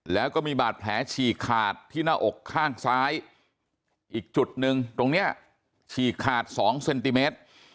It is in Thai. แล้วก็มีบาดแผลฉีกขาดที่หน้าอกข้างซ้ายอีกจุดหนึ่งตรงนี้ฉีกขาด๒เซนติเมตร